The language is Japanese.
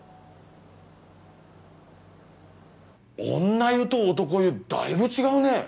女湯と男湯だいぶ違うね。